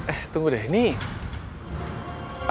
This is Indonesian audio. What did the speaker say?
eh tunggu deh nih